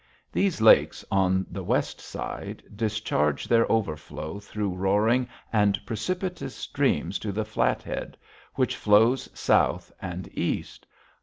These lakes, on the west side, discharge their overflow through roaring and precipitous streams to the Flathead, which flows south and east.